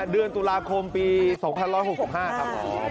เดือนตุลาคมปี๒๑๖๕ครับ